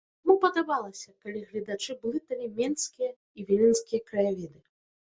Яму падабалася, калі гледачы блыталі менскія і віленскія краявіды.